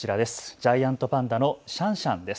ジャイアントパンダのシャンシャンです。